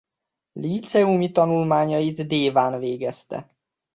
Líceumi tanulmányait Déván végezte.